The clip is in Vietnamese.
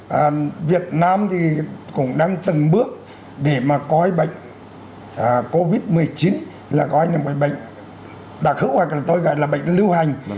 và việt nam thì cũng đang từng bước để mà coi bệnh covid một mươi chín là coi như một bệnh đặc hữu hoặc tôi gọi là bệnh lưu hành